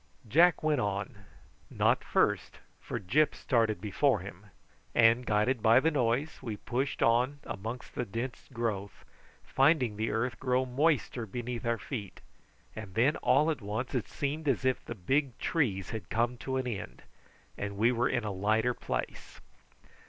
Jack went on not first, for Gyp started before him and, guided by the noise, we pushed on amongst the dense growth, finding the earth grow moister beneath our feet; and then all at once it seemed as if the big trees had come to an end and we were in a lighter place.